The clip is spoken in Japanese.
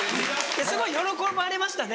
すごい喜ばれましたね。